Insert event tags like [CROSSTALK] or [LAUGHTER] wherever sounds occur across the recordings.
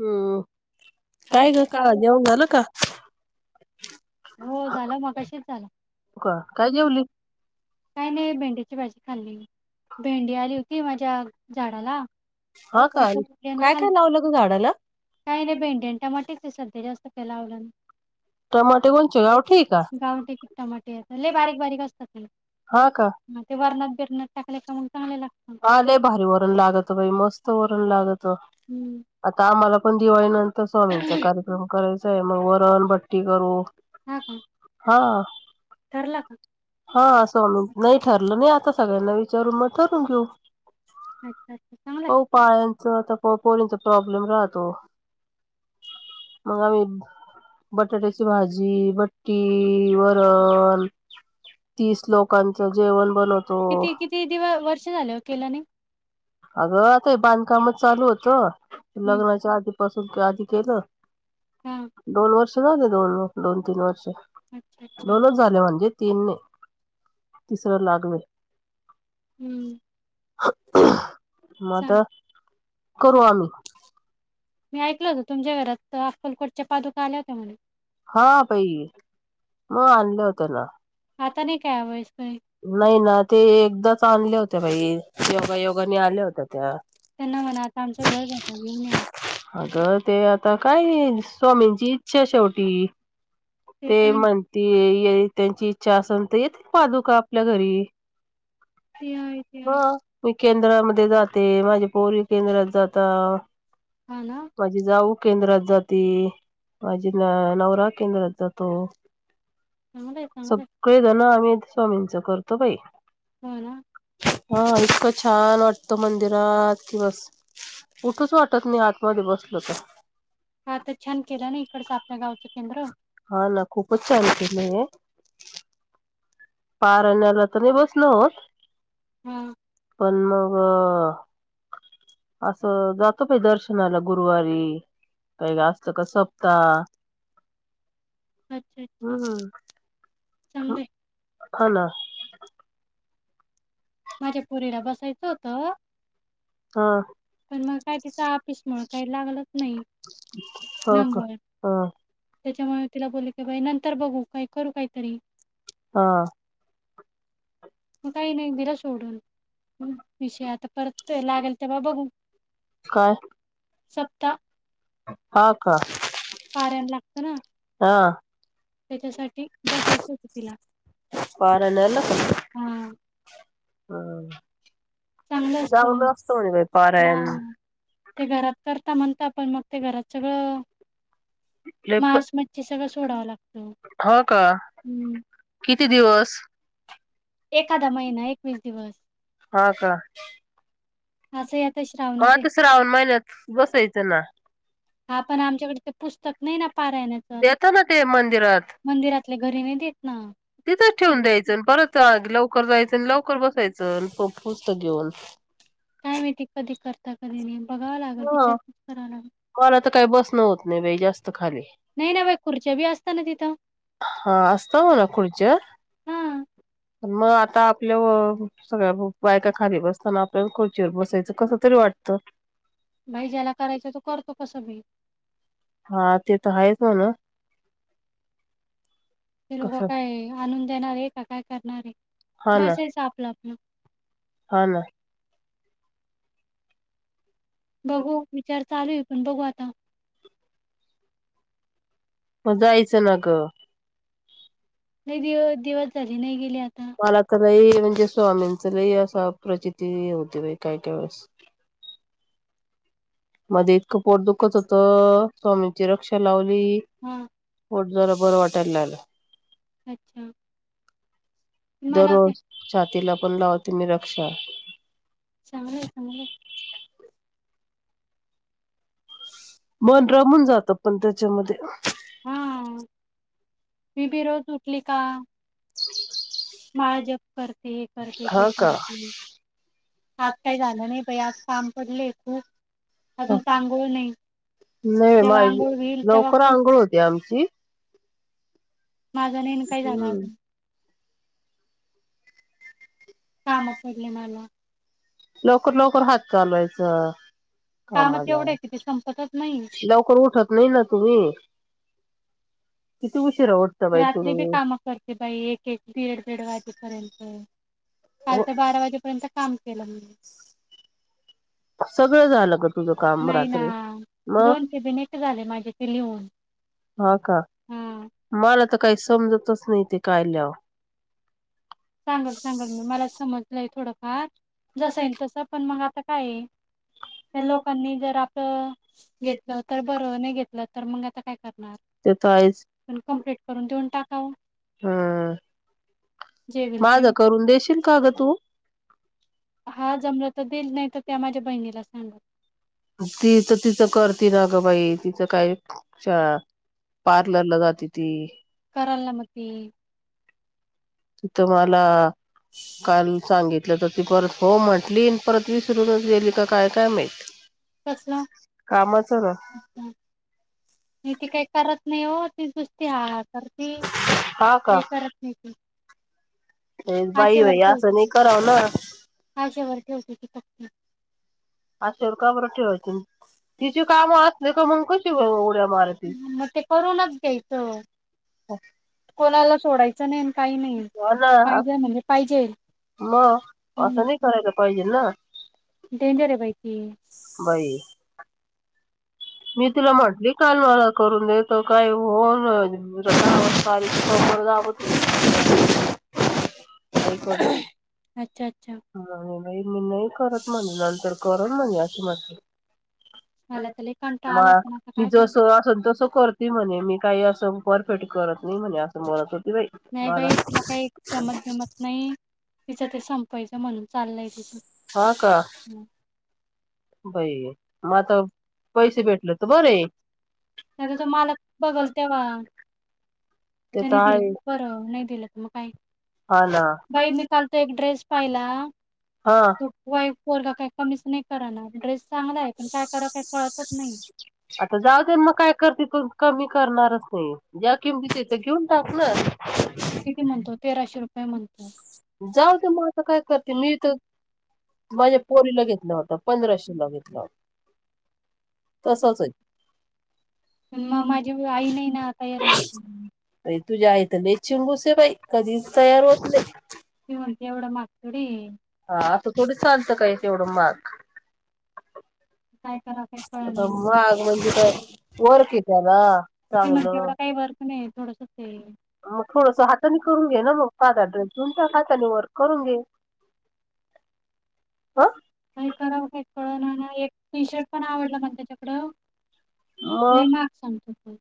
हम्म काय ग का जेऊन झालं का हो झालं मगाशीच झालं काही नाही भेंडची भाजी खाली भेंडी आली होती माझ्या झाडाला हा काय काय काय लावलं तू झाडाला काही नाही भेंडी आणि टमाटे ते सध्या जास्त पलावलं ना टमाटे कोणच ठीक म ते वरणात बिरण टाक हाले भारी वरण लागतत भाई मस्त वरण लागतत आता आम्हाला पण दिवाळीनंतर स्वामींचा कार्यक्रम करायचा आहे मग वरण भट ी करू हा हा असवामी नाही ठरलं नाही आता सगळ्यांना जरू मठ रु घेऊ हो पायांच आता पोळींचा प्रॉब्लेम राहतो मग मी बटाट्याची भाजी बट्टी वरळ तीस लोकांचं जेवण बनवतो व वर्ष झाले केलाने अगं आता बांधकामच चालू होतं लग्नाच्या आधीपासून कि आधी केलं हा, दोन वर्ष झाले दोन दोन तीन वर्ष दोनच झाले म्हणजे तीन तिसरं लागवे म आता करू आलू मी ऐकल होत तुमच्या घरात अक्कालकोटच्या पादुका आल्या होत्या म्हणे हा पई मग आणलं होतना नाही ना ते एकदा आणले होते बाई योगायोगा मी आल्या होत त्या अग ते आता काय स्वामींची इच्छा शेवटी ते म्हणते त्यांची इच्छा असेल तर येतील पादूका आपल्या घरी हा मी केंद्रामध्ये जाते माझे पोरी केंद्रात जात माझी जाऊ केंद्रात जाते माझी न नवरा केंद्रात सगळे जण आम्ही स्वामींच करतो बाई हा इतकं छान वाटतं मंदिरात कि बस उठूच वाटत नाही आातमध्ये बसल तर हा ना खूपच चालते म पारण्याला तर नाही बसण होत पण मग अस जातो की दर्शनाला गुरुवारी काही असतं का सप्ताह हम्म, खला माझ्या पोरीला बसायचं होत पण मग काय तिचं आपिस मुळ काही लागलंच नाही हो का हा त्याच्यामुळे तिला बोलली की बाई नंतर बघू काही करू काहीतरी हा. मग काही नाही दिल सोडून विषय आता परत लागेल तेव्हा बघू काय? [UNINTELLIGIBLE] हा का? पारायन लागत ना, हा. त्याच्यासाठी बसायचं होत तिला पारायण [UNINTELLIGIBLE] हा, हा. चांगलं असत [UNINTELLIGIBLE] हा ते घरात करता म्हणता पण मग ते घरात सगळं [INAUDIBLE] मांस मच्छी सगळं सोडावं लागत हम्म. किती दिवस? एखादा महिना एकवीस दिवस हा का? [UNINTELLIGIBLE] हा तिसराहून महिन्यात बसायचं ना [UNINTELLIGIBLE] येत ना ते मंदिरात, मंदिरात [UNINTELLIGIBLE] तिथंच ठेऊून द्यायचं अन परत लवकर जायचं लवकर बसायच [UNINTELLIGIBLE] [UNINTELLIGIBLE] काय माहिती कधी करता कधी नाही बघावं लागल विचारपूच करावा लागल मला तर काही बस न होत नाही बाई जास्त खाली हा असत हो ना खुर्च, हा. मग आता आपल्या सगळ्या बायका खाली बसताना आपल्या खुर्चीवर बसायचं कस तरी वाटतं बाई ज्याला करायच तो करतो कस बी हा, ते तर आहेच बघा. ते लोक काय आणून देणार आहे का काय करणार आहे बसायचं आपलं आपलं बघू विचार चालू आहे पण बघू आता मग जाायचं ना ग मलात नाही म्हणजे स्वामींच लय असा प्रचिती होती बाई काय काय वेळेस मध्ये इतकं पोट दुखत होत स्वामीची रक्षा लावली पोट जरा बर वाटायला लालं अच्छा दररोज छातीला पण लावते मी रक्षा होय चांगलय मन रमून जात पण त्याच्यामध्ये मी बी रोज उठली का माळ जप करते, हे करते ते करते आज काही झालं नाही बाई आज काम पडलेय खूप अजून त आघोळ नाही जेव्हा आंघोळ होईल तेव्हा कोण माझा नेम काय झालं अजून काम पडले मला लवकर लवकर हात चालवायचा कामला लवकर उठत नाही ना तुम्ही रात्री बी काम करते बाई एक एक दीड दीड वाजेपर्यंत कालच्या बारा वाजेपर्यंत काम केलं म्हणे सगळं झालं ग तुझ नाही ना दोनशे बिनेट झाले माझे ते लिहून हा का मला तर काही समजतच नाही ते काय लिहावं सांगल सांगल मी मला समजलंय थोडंफार जसं आहे तसं पण मग आता काय आहे त्या लोकांनी जर आपलं घेतलं तर बर नाही घेतलं तर मग आता काय करत र पण कमप्लीट करून देऊन टाकाव माझं करून देशील का ग तू हा जमलं तर दिल नाही तर त्या माझ्या बहिणीला सांगत ति तर तिचं करती ना ग बाई तिचं काय पार्लरला जाते ती तिथं मला काल सांगितलं तर ती परत हो म्हंटली परत विसरूनच गेली का काय काय माहीत कामच ना म ती काही करत नाही हो ती नुसती हा करती काही करत नाही ती आच्यावरती होती त आच्यावररती होती ती पक् अशेरका बर ठेवायची तिची कामं असते का मग कशी उड्या माराती करूनच घ्यायच कोणाला सोडायचं नाही काही नाही जाय म्हणे पाहिजे मग असं नाही करायला पाहिजे ना बाई मी तुला म्हटली काल मला करून देतो काय होनल [UNINTELLIGIBLE] अच्छा अच्छा ह मी नाही करत म्हणे नंतर करण म्हणे असे म्हटले [INAUDIBLE] म मी जस असेल तस करते म्हणे मी काही असं परफेक्ट करत नाही [INAUDIBLE] पै म्हणून चाललंय तिथं हा का बई मग आता पैसे भेटले तर बर त्याता तो मालक बघल तेव्हा त्याने दिलं तर बरं, नाही दिलं तर मग काय? बाई मी काल तो एक ड्रेस पाहिला तो काय पोरगा काय कमीच नाही कराना, ड्रेस चांगलाय, पण काय कर काय कळतच नाही? आता जाऊ त्या मग काय करते त कमी करणारच नाही ज्या किमती तेथं घेऊन टाक ना किती म्हणतो तेराश शे रुपये म्हणत जा [INAUDIBLE] म्हणजे पोरीला घेतलं होतं पंधराशेला घेतलं होत तसच आहे मग माझी आई नाही ना तयारते अे तुझ्या आहे त ले चिनगुसे बाई कधीच तयार होत नाही हा थोड चालत काय तेवढं त म ग म्हणजे ओरकेतला चांगलं काही बरक नाही थोडस तेल मग थोडसं हातानी करून घे ना मग. साधा ड्रेस घेऊन टाका हातानी वर्क करून घे. अ काय करावं कळना ना एक टी शर्ट पण आवडला मला त्याच्याकडं, मग? लय महाग सांगतो ते.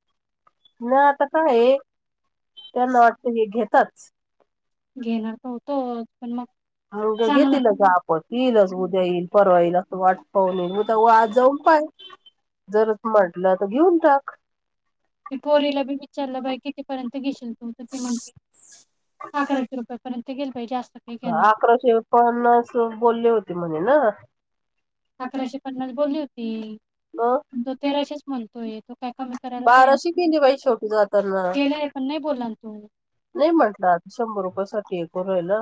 न आता कायए, त्यांना वाटतं हे घेताच. घे ना [UNINTELLIGIBLE] घे ग आपण येईलच उद्या येईल, परवा येईल असं वाट पाहून येईल उद्या आज जाऊन पाहि [UNINTELLIGIBLE] जरच म्हटलं, तर घेऊन टाक. पोरीला [UNINTELLIGIBLE] अकराशे पन्नास बोलले होते, म्हणे ना. [INAUDIBLE] अकराशे पन्नास बोलली होती. हो, तो तेराशीच म्हणतोय, तो काय कमी करायला तयार बाराशे [UNINTELLIGIBLE] केलयं पण नाही, बोला ना तो. नाही म्हटला, आता शंभर रुपया साठी हे करु राहिला.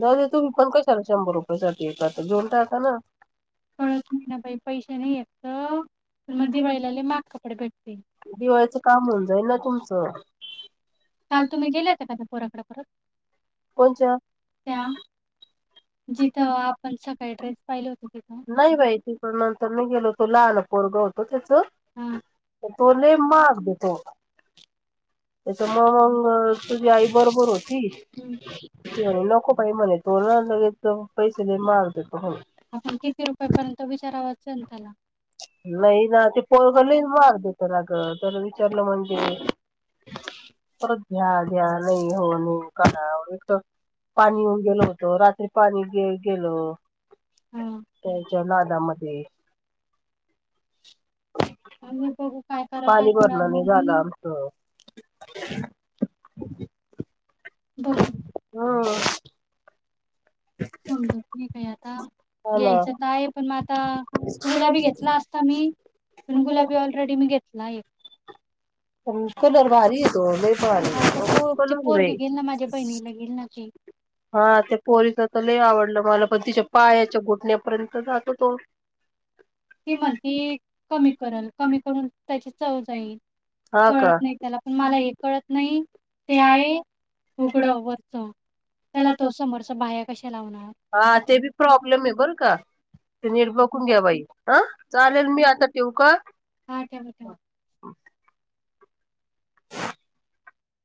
दादा तुम्ही, पण कशाला शंभर रुपया साठी हे करता देवून टाका ना. कळत नाही, बाई पैसे नाही हित. पण मग, दिवाळीला लय महाग कपडे भेटते. काल तुम्ही गेल्या होत्या का? त्या पोराकडं परत. त्या जिथं [UNINTELLIGIBLE] नाही बाई तिकड नंतर मी गेलोतो, लहान पोर त्याच तो लय महाग देतो. [INAUDIBLE] त्याच मग तुझी आई बरोबर होती, आणि नको बाई म्हणे तो ना ल पैसे, लय महाग देतो. आपण किती रुपया पर्यंत विचारावाचल त्याला? नाही ना, ते पोरग लय महाग देत ना गं, तर विचारलं म्हणजे परत, द्या द्या नाही हो [UNINTELLIGIBLE] का एक तर पाणी येऊन गेल होतं रात्री पाणी गं गेल त्याच्या नादा मध्ये. [UNINTELLIGIBLE] पाणी [UNINTELLIGIBLE] भरलं अण झालं आमचं. [UNINTELLIGIBLE] हा. समजत नाही काय आता घ्यायचं तर आहे, पण मग आता गुलाबी घेतला असता मी पण गुलाबी ऑलरेडी मी घेतला एक कलर भारी येतो आहे तो नाही प कलर हा ते पोरीच तर लय आवडलं मला पण पायाच्या घोटण्यापर्यंत जातो तो ती म्हणती कमी करल कमी करून त्याची चव जाईल कळत नाही त्याला, पण मला हे कळत नाही ते आहे उगडं वरचं. त्याला तो समोरचा बाह्या हा ते बी प्रॉब्लेम आहे बरं का, ते नीट बघून घ्या बाई. हा चालेल, मी आता ठेवू का?